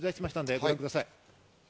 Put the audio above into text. ご覧ください。